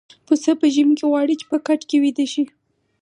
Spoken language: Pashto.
پسه په ژمي کې غواړي چې په کټ کې ويده شي.